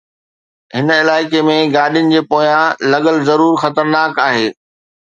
هن علائقي ۾ گاڏين جي پويان لڳل ضرور خطرناڪ آهي